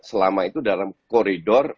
selama itu dalam koridor